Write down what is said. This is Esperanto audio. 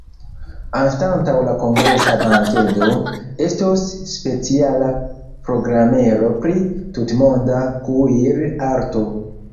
Anstataŭ la kongresa bankedo, estos speciala programero pri tutmonda kuir-arto.